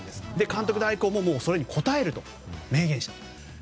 監督代行もそれに応えると明言した。